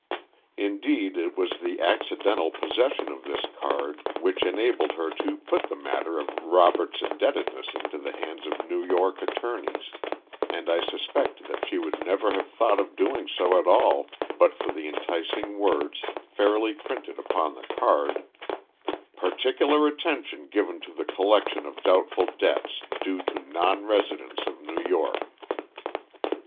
Indeed it was the accidental possession of this card which enabled her to put the matter of Robert's indebtedness into the hands of New York attorneys, and I suspect that she would never have thought of doing so at all but for the enticing words, fairly printed upon the card "particular attention given to the collection of doubtful debts, due to non residents of New York."